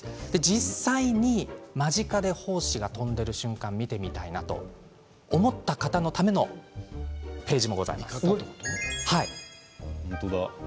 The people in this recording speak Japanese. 実際に間近で胞子が飛んでいる瞬間を見てみたいと思った方のためのページもございます。